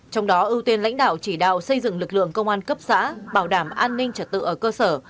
trong đó ưu tiên lãnh đạo chỉ đạo xây dựng lực lượng công an cấp xã bảo đảm an ninh trật tự ở cơ sở